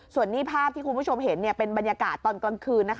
ส่วนนี้ภาพที่คุณผู้ชมเห็นเป็นบรรยากาศตอนกลางคืน